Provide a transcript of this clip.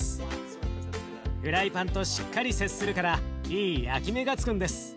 フライパンとしっかり接するからいい焼き目がつくんです。